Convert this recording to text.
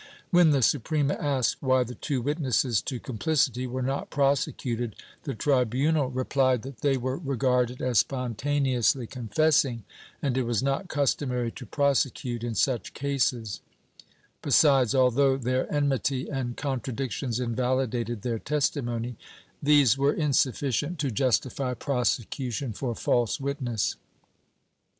When the Suprema asked why the two witnesses to com plicity were not prosecuted, the tribunal replied that they were regarded as spontaneously confessing, and it was not customary to prosecute in such cases; besides, although their enmity and contradictions invahdated their testimony, these were insufficient to justify prosecution for false witness.